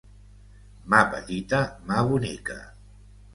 Mà petita, mà bonica.